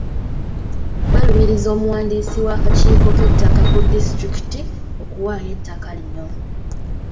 Balumiriza omuwandiisi w’akakiiko k’ettaka ku disitulikiti okuwaayo ettaka lino.